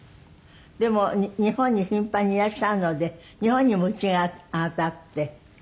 でも日本に頻繁にいらっしゃるので日本にも家があなたあって。